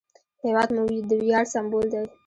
هېواد مو د ویاړ سمبول دی